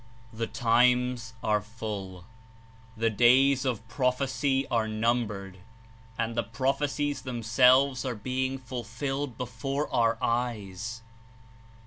The times are full; the days of prophecy are num bered and the prophecies themselves are being ful filled before our eyes.